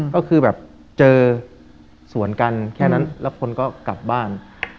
ก็คือแบบเจอสวนกันแค่นั้นแล้วคนก็กลับบ้าน